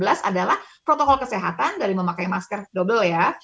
vaksinasi covid sembilan belas adalah protokol kesehatan dari memakai masker dobel ya